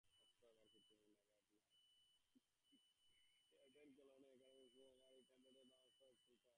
He attended Coleraine Academical Institution, where he competed in the Ulster Schools Cup.